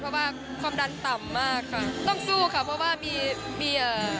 เพราะว่าความดันต่ำมากค่ะต้องสู้ค่ะเพราะว่ามีมีเอ่อ